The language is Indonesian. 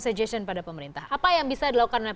suggestion pada pemerintah apa yang bisa dilakukan